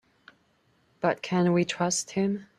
But can we trust him?